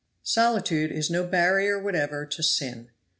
SOLITUDE is no barrier whatever to sin.